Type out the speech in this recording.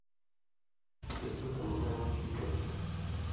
چےۡ تُو بنہ اېوں مِلیۡ گی کرِگ۔